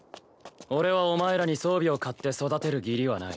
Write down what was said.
俺はお前らに装備を買って育てる義理はない。